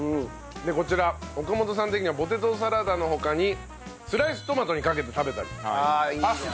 こちら岡本さん的にはポテトサラダの他にスライストマトにかけて食べたりパスタに入れても美味しいと。